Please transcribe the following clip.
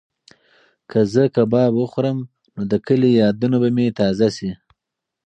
که زه کباب وخورم نو د کلي یادونه به مې تازه شي.